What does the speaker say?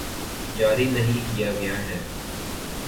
جاری نہیں کیا گیا ہے